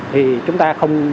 thì chúng ta không